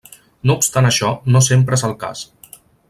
No obstant això no sempre és el cas.